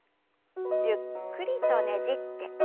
ゆっくりとねじって。